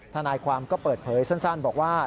ทนายความก็เปิดเผยสั้นบอกว่า